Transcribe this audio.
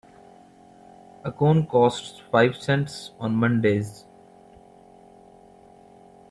A cone costs five cents on Mondays.